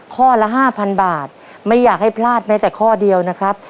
ข้อละห้าพันบาทไม่อยากให้พลาดแม้แต่ข้อเดียวนะครับ